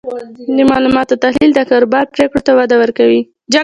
د معلوماتو تحلیل د کاروبار پریکړو ته وده ورکوي.